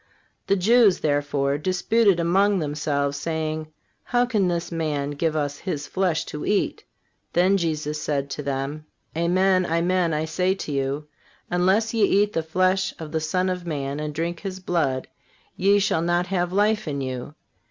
The Jews, therefore, disputed among themselves, saying: How can this man give us His flesh to eat? Then Jesus said to them: Amen, amen, I say to you: Unless ye eat the flesh of the Son of Man and drink His blood, ye shall not have life in you.